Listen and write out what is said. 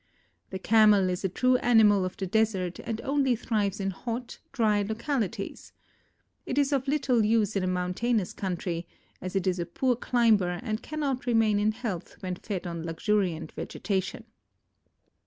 The Camel is a true animal of the desert and only thrives in hot, dry localities. It is of little use in a mountainous country, as it is a poor climber and cannot remain in health when fed on luxuriant vegetation.